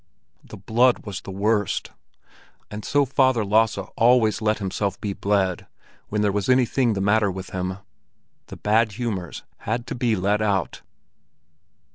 The blood was the worst, and so Father Lasse always let himself be bled when there was anything the matter with him; the bad humors had to be let out.